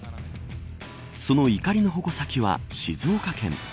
その怒りの矛先は静岡県。